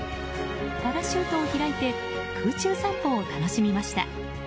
パラシュートを開いて空中散歩を楽しみました。